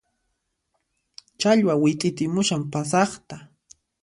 Challwa wit'itimushan pasaqta